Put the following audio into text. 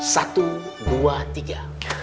satu dua tiga